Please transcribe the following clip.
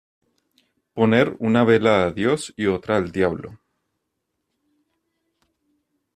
Poner una vela a Dios y otra al Diablo